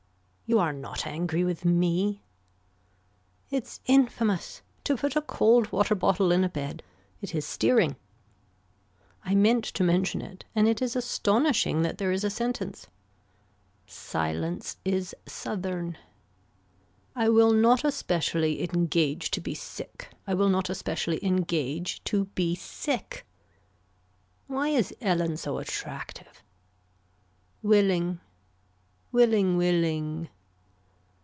You are not angry with me. It's infamous. To put a cold water bottle in a bed. It is steering. I meant to mention it and it is astonishing that there is a sentence. Silence is southern. I will not especially engage to be sick. I will not especially engage to be sick. Why is Ellen so attractive. Willing. Willing, willing.